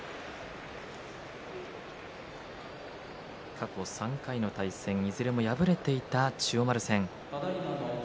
過去３回の対戦、いずれも敗れていた千代丸戦。